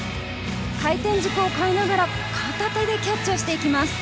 回転軸を変えながら片手でキャッチしていきます。